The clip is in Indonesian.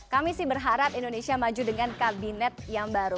kami sih berharap indonesia maju dengan kabinet yang baru